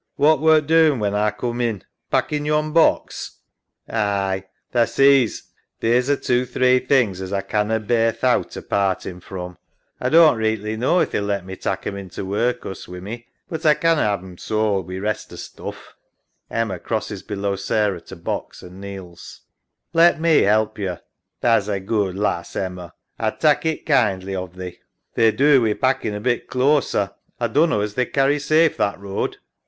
What wert doin' when A coom in.'' Packin' yon box.? SARAH. Aye. Tha sees theer 's a two three things as A canna bear thowt o' parting from. A don't reeghtly knaw if they'll let me tak' 'em into workus wi' me, but A canna have 'em sold wi' rest of stuff. EMMA {crosses below Sarah to box, and kneels). Let me help yo. SARAH. Tha's a good lass, Emma. A'd tak' it kindly of thee. EMMA. They'd do wi' packin' a bit closer. A dunno as they'd carry safe that road.